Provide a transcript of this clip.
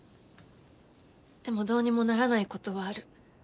でもどうにもならないことはある。